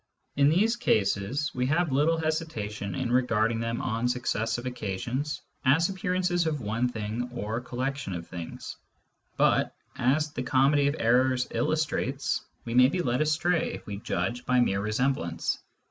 In these cases, we have little hesitation in regarding them on successive occasions as appearances of one thing or collection of things. But, as the Comedy of Errors illustrates, we may be led astray if we judge by mere resemblance.